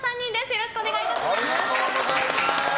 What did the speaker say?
よろしくお願いします。